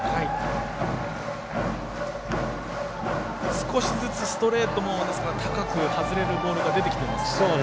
少しずつストレートも高く外れるボールが出てきていますね。